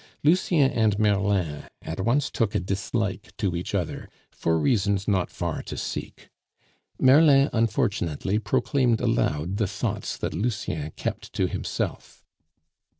Lucien and Merlin at once took a dislike to one another, for reasons not far to seek. Merlin, unfortunately, proclaimed aloud the thoughts that Lucien kept to himself.